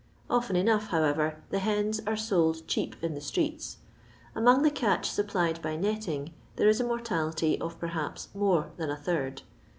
Often enough, howeyer, the hens are sold cheap in the streets. Among the catch supplied by netting, there is a mortality of perhaps mere than a third.